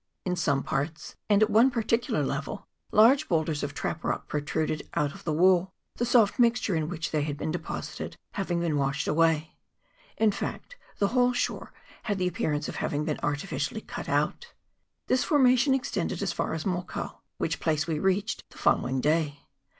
In some parts, and CHAP. VIII.] OF THE COAST. 169 at one particular level, large boulders of trap rock protruded out of the wall, the soft mixture in which they had been deposited having been washed away ; in fact, the whole shore had the appearance of hav ing been artificially cut out. This formation ex tended as far as Mokau, which place we reached the following day.